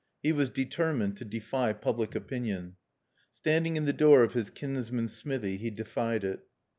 He was determined to defy public opinion. Standing in the door of his kinsman's smithy, he defied it.